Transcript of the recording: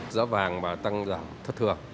giá vàng tăng giảm thất thường